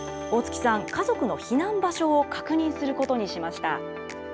大槻さん、家族の避難場所を確認することにしました。